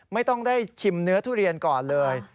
ไม่ต้องได้ชิมเนื้อทุเรียนก่อนเลย